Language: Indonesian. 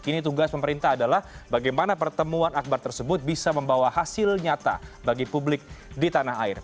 kini tugas pemerintah adalah bagaimana pertemuan akbar tersebut bisa membawa hasil nyata bagi publik di tanah air